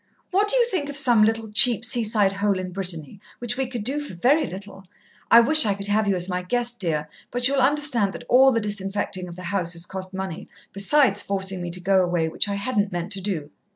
"What do you think of some little, cheap seaside hole in Brittany, which we could do for very little? I wish I could have you as my guest, dear, but you'll understand that all the disinfecting of the house has cost money, besides forcing me to go away, which I hadn't meant to do.